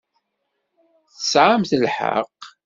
Tesɛamt lḥeqq.